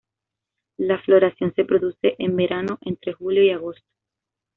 La floración se produce en verano, entre julio y agosto.